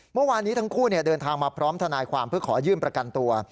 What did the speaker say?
เมื่อวานนี้ทั้งคู่เดินทางมาพร้อมทนายความเพื่อขอยื่นประกันตัว